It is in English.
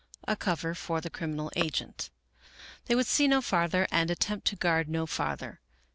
" A cover for the criminal agent. " They would see no farther, and attempt to guard no farther.